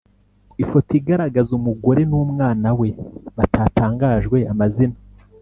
Ifoto igaragaza umugore n’umwana we batatangajwe amazina